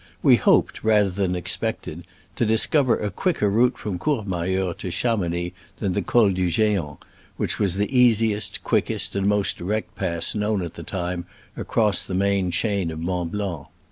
We hoped, rather than expected, to discover a quick er route from Courmayeur to Chamounix than the Col du Geant, which was the easiest, quickest and most direct pass known at the time across the main chain of Mont Blanc.